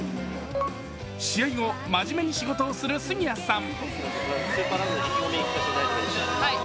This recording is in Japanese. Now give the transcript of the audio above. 試合後、まじめに仕事をする杉谷さん。